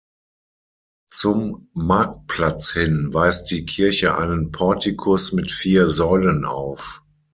Zum Marktplatz hin weist die Kirche einen Portikus mit vier Säulen auf.